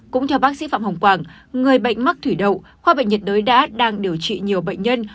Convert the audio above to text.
cũng theo bác sĩ phạm hồng quảng người bệnh mắc thủy đậu khoa bệnh nhiệt đới đã đang điều trị nhiều bệnh nhân